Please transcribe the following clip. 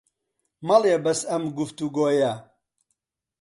مەڵێ بەس ئەم گوفتوگۆیە